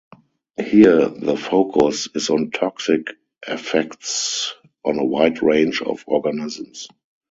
Here, the focus is on toxic effects on a wide range of organisms.